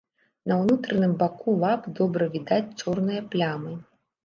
На ўнутраным баку лап добра відаць чорныя плямы.